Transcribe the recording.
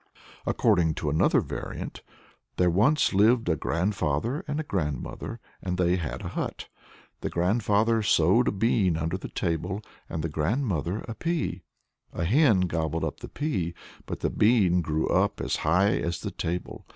" According to another variant, "There once lived a grandfather and a grandmother, and they had a hut. The grandfather sowed a bean under the table, and the grandmother a pea. A hen gobbled up the pea, but the bean grew up as high as the table.